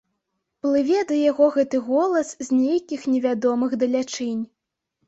Плыве да яго гэты голас з нейкіх невядомых далячынь.